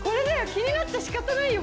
気になって仕方ないよ